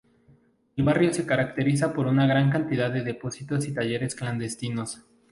El barrio se caracteriza por una gran cantidad de depósitos y talleres clandestinos.